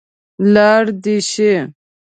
لاړ دې شي.